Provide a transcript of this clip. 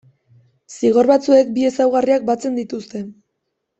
Zigor batzuek bi ezaugarriak batzen dituzte.